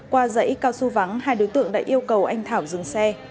qua dãy cao su vắng hai đối tượng đã yêu cầu anh thảo dừng xe